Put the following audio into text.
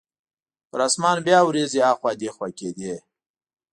پر اسمان بیا وریځې اخوا دیخوا کیدې.